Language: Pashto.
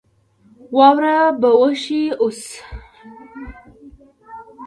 واوره به وشي اوس